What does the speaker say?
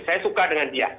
saya suka dengan dia